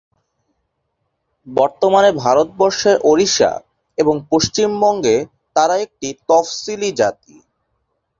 বর্তমানে ভারতবর্ষের ওড়িশা এবং পশ্চিমবঙ্গে তারা একটি তফসিলি জাতি।